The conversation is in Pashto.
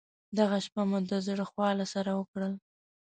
دغه شپه مو د زړه خواله سره وکړل.